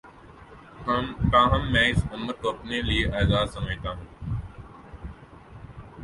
تاہم میں اس امر کو اپنے لیے اعزا ز سمجھتا ہوں